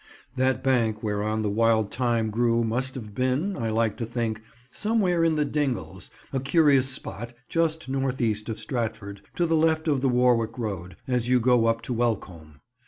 That bank whereon the wild thyme grew must have been, I like to think, somewhere in The Dingles, a curious spot just north east of Stratford, to the left of the Warwick road, as you go up to Welcombe.